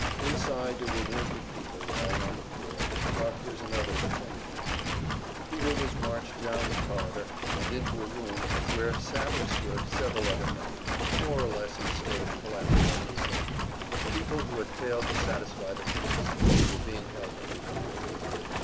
Inside there were wounded people lying on the floor, with doctors and others attending them. Peter was marched down the corridor, and into a room where sat or stood several other men, more or less in a state of collapse like himself; people who had failed to satisfy the police, and were being held under guard.